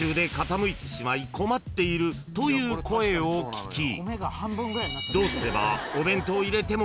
［という声を聞きどうすれば］